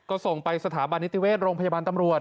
ก็ส่งไปสถาบันนิติเวชโรงพยาบาลตำรวจ